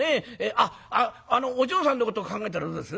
あっお嬢さんのことを考えたらどうです？